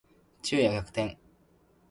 昼夜逆転